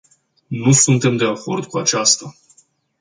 Nu suntem de acord cu aceasta.